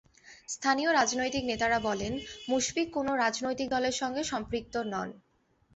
স্থানীয় রাজনৈতিক নেতারা বলেন, মুশফিক কোনো রাজনৈতিক দলের সঙ্গে সম্পৃক্ত নন।